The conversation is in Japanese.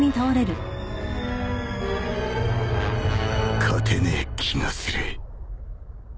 勝てねえ気がする